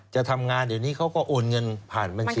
จะทำงานเดี๋ยวนี้เขาก็โอนเงินผ่านบัญชี